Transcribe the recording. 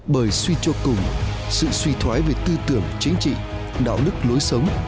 bởi suy cho cùng sự suy thoái về tư tưởng chính trị đạo đức lối sống